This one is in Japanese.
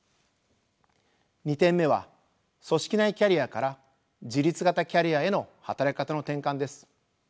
２点目は組織内キャリアから自律型キャリアへの働き方の転換です。